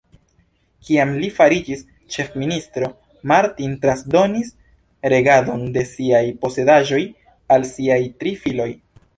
Kiam li fariĝis ĉefministro, Martin transdonis regadon de siaj posedaĵoj al siaj tri filoj.